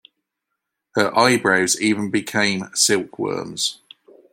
Her eyebrows even became silkworms.